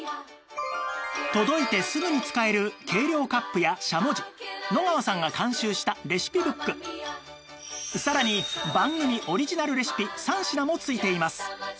届いてすぐに使える軽量カップやしゃもじ野川さんが監修したレシピブックさらに番組オリジナルレシピ３品も付いています